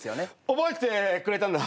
覚えててくれたんだ。